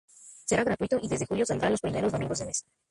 Será gratuito y, desde julio, saldrá los primeros domingos del mes.